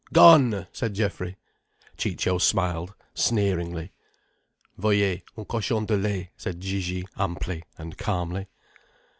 "Gone!" said Geoffrey. Ciccio smiled sneeringly. "Voyez, un cochon de lait," said Gigi amply and calmly.